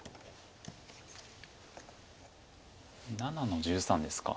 ７の十三ですか。